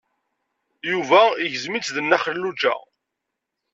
Yuba igzem-itt d Nna Xelluǧa.